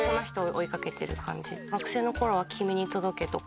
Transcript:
学生の頃は『君に届け』とか。